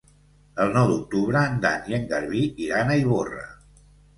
El nou d'octubre en Dan i en Garbí iran a Ivorra.